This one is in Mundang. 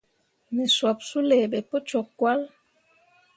Me sup suley ɓe pu cok cahl.